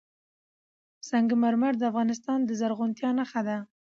سنگ مرمر د افغانستان د زرغونتیا نښه ده.